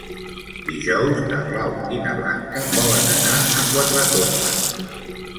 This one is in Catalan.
Dijous na Blau i na Blanca volen anar a Quatretonda.